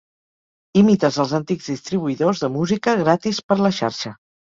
Imites els antics distribuïdors de música gratis per la xarxa.